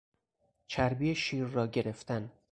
چربی شیر را گرفتن